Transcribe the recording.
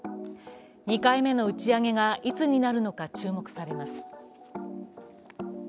２回目の打ち上げがいつになるのか注目されます。